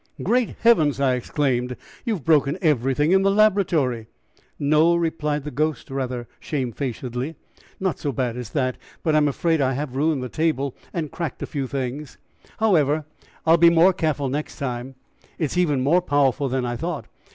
"Great heavens!" I exclaimed, "you have broken everything in the laboratory!" "No," replied the ghost rather shamefacedly, "not so bad as that, but I'm afraid that I have ruined the table and cracked a few things; however, I will be more careful next time: it is even more powerful than I thought.